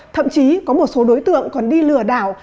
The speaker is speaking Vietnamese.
thậm chí có một số đối tượng còn đi lừa đảo